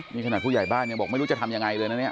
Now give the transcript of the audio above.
นี่ขนาดผู้ใหญ่บ้านยังบอกไม่รู้จะทำยังไงเลยนะเนี่ย